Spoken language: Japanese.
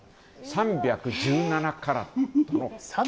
３１７カラット。